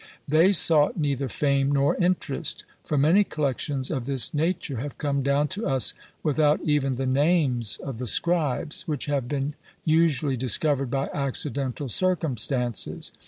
They sought neither fame nor interest: for many collections of this nature have come down to us without even the names of the scribes, which have been usually discovered by accidental circumstances.